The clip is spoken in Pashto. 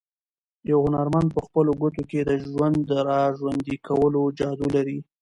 یو هنرمند په خپلو ګوتو کې د ژوند د راژوندي کولو جادو لري.